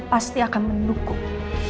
dia pasti akan mendukung